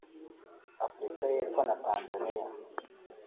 Afurika y’Epfo na Tanzania